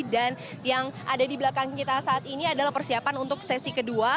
dan yang ada di belakang kita saat ini adalah persiapan untuk sesi kedua